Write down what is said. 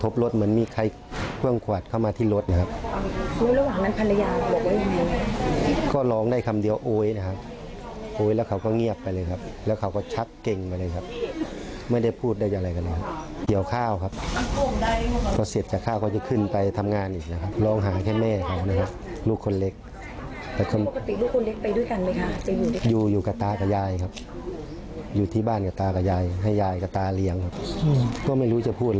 เพิ่งขวัดเข้ามาที่รถนะครับก็ร้องได้คำเดียวโอ๊ยนะครับโอ๊ยแล้วเขาก็เงียบไปเลยครับแล้วเขาก็ชักเก่งไปเลยครับไม่ได้พูดได้อะไรกันเลยครับเดี๋ยวข้าวครับก็เสร็จจากข้าวเขาจะขึ้นไปทำงานอีกนะครับร้องหาแค่แม่เขานะครับลูกคนเล็กอยู่อยู่กับตากับยายครับอยู่ที่บ้านกับตากับยายให้ยายกับตาเลี้ยงครับก็ไม่ร